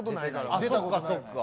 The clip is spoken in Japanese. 出たことないから。